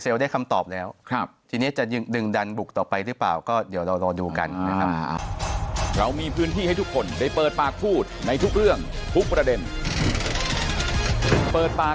สรุปแล้วครับที่นี้จะยึดึงดันบุกต่อไปหรือเปล่า